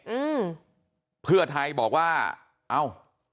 อืมเพื่อไทยบอกว่าเอ้า